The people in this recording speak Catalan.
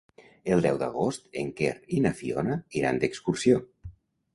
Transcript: El deu d'agost en Quer i na Fiona iran d'excursió.